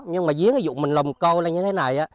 nhưng mà giếng ví dụ mình lồng co lên như thế này